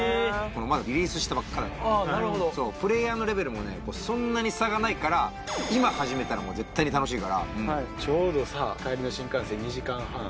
まだリリースしたばっかだからプレーヤーのレベルもそんなに差がないから今始めたら絶対に楽しいからちょうどさ帰りの新幹線２時間半